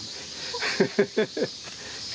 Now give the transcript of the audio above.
フフフフッ。